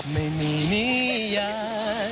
ไม่มียาก